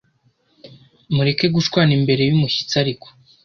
Mureke gushwana imbere y’ umushyitsi ariko